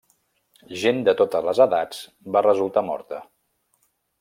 Gent de totes les edats va resultar morta.